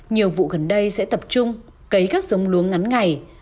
nhiều vụ gần đây sẽ tập trung cấy các giống lúa ngắn ngày